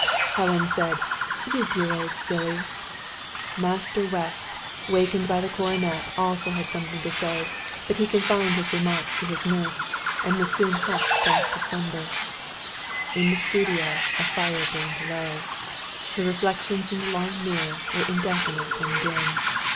Helen said: "You dear old silly!" "Master West," wakened by the cornet, also had something to say; but he confided his remarks to his nurse, and was soon hushed back to slumber. In the studio, the fire burned low. The reflections in the long mirror, were indefinite and dim.